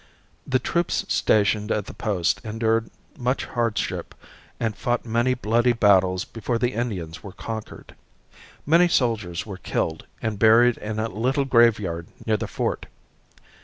The troops stationed at the post endured much hardship and fought many bloody battles before the Indians were conquered. Many soldiers were killed and buried in a little graveyard near the fort.